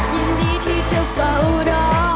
ยินดีที่จะเฝ้ารอ